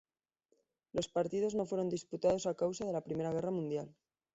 Los partidos no fueron disputados a causa de la Primera Guerra Mundial.